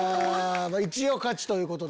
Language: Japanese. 一応勝ちということで。